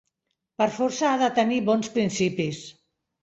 Per força ha de tenir bons principis